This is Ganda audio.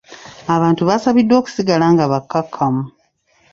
Abantu baasabiddwa okusigala nga bakakkamu.